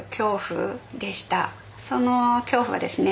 その恐怖はですね